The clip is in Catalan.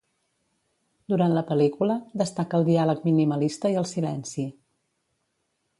Durant la pel·lícula destaca el diàleg minimalista i el silenci.